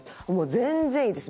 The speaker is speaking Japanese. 全然いいです！